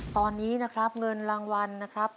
ตอนนี้นะครับเงินรางวัลนะครับ